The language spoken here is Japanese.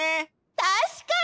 たしかに！